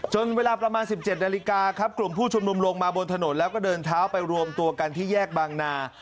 เวลาประมาณ๑๗นาฬิกาครับกลุ่มผู้ชุมนุมลงมาบนถนนแล้วก็เดินเท้าไปรวมตัวกันที่แยกบางนา